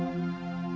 aku sudah berjalan